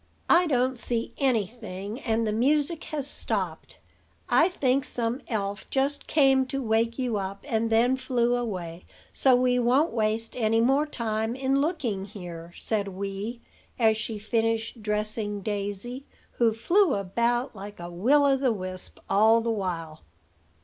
"I don't see anything, and the music has stopped. I think some elf just came to wake you up, and then flew away; so we won't waste any more time in looking here," said Wee, as she finished dressing Daisy, who flew about like a Will o' the wisp all the while.